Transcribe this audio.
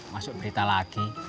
masuk berita lagi